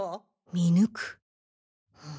見抜く